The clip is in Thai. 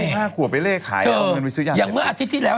เอาเล่มห้ากัวไปเลขายเอาเงินไปซื้ออย่างอื่น